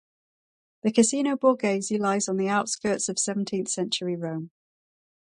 The "Casino Borghese" lies on the outskirts of seventeenth-century Rome.